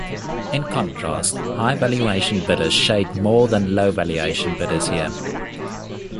In contrast, high-valuation bidders shade more than low valuation bidders here.